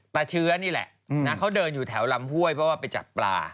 เชื้อนี่แหละนะเขาเดินอยู่แถวลำห้วยเพราะว่าไปจับปลา